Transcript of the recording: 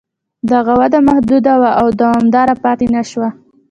دغه وده محدوده وه او دوامداره پاتې نه شوه.